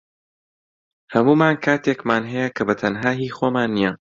هەموومان کاتێکمان هەیە کە بەتەنها هی خۆمان نییە